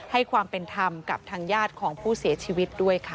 ให้ความเป็นธรรมกับทางญาติของผู้เสียชีวิตด้วยค่ะ